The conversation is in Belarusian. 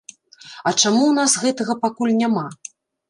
А чаму ў нас гэтага пакуль няма?